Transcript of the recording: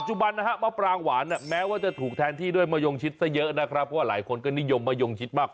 คุณเกศรยังบอกด้วยว่าความดกของของมะปลางต้นนี้การันตรี